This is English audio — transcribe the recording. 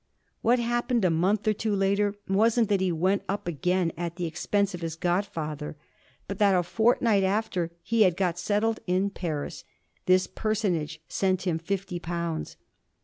What happened a month or two later wasn't that he went up again at the expense of his godfather, but that a fortnight after he had got settled in Paris this personage sent him fifty pounds.